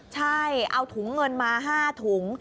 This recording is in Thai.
ใช่เอาถุงเงินมา๕ถุง